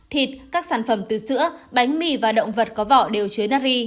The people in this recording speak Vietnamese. thịt các sản phẩm từ sữa bánh mì và động vật có vỏ đều chứa nắp ri